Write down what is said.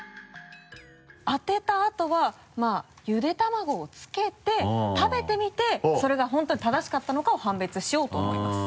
当てた後はゆで卵をつけて食べてみてそれが本当に正しかったのかを判別しようと思います。